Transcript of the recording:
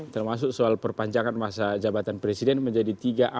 termasuk soal perpanjangan masa jabatan presiden menjadi tiga ratus empat puluh lima